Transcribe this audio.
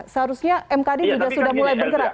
seharusnya mkd juga sudah mulai bergerak